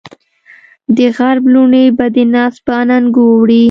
دغرب لوڼې به دې ناز په اننګو وړي